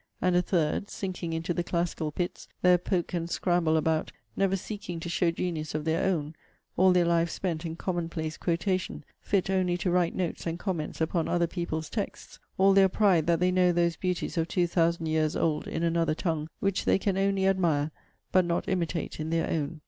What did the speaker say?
And a third, sinking into the classical pits, there poke and scramble about, never seeking to show genius of their own; all their lives spent in common place quotation; fit only to write notes and comments upon other people's texts; all their pride, that they know those beauties of two thousand years old in another tongue, which they can only admire, but not imitate, in their own.